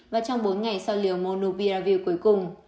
và trong bốn ngày sau liều monupiravir cuối cùng